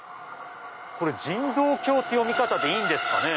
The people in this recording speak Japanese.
これ人道橋って読み方でいいんですかね？